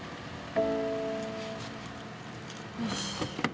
よし。